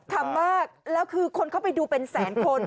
ทำมากแล้วคือคนเข้าไปดูเป็นแสนคน